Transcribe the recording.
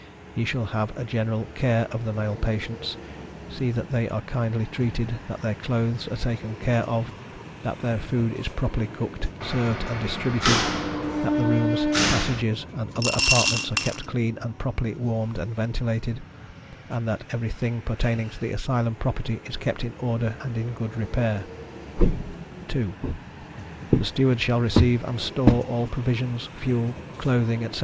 He shall have a general care of the male patients, see that they are kindly treated, that their clothes are taken care of, that their food is properly cooked, served and distributed, that the rooms, passages and other apartments are kept clean and properly warmed and ventilated, and that every thing pertaining to the Asylum property is kept in order and in good repair. 2. The Steward shall receive and store all provisions, fuel, clothing, etc.